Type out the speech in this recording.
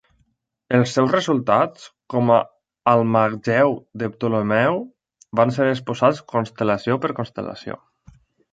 Els seus resultats, com a "Almageu", de Ptolemeu, van ser exposats constel·lació per constel·lació.